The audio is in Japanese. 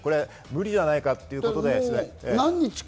無理じゃないかってことで。